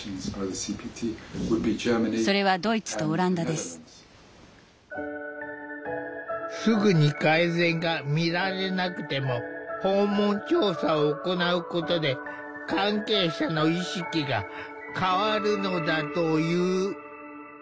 すぐに改善が見られなくても訪問調査を行うことで関係者の意識が変わるのだという。